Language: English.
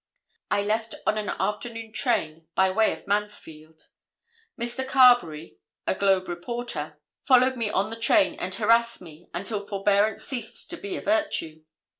I left on an afternoon train by way of Mansfield. Mr. Carberry, a Globe reporter, followed me on the train and harrassed me until forbearance ceased to be a virtue.